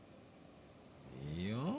いいよ！